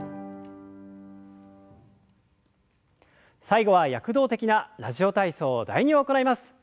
最後は躍動的な「ラジオ体操第２」を行います。